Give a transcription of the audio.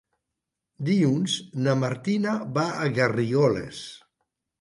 Dilluns na Martina va a Garrigoles.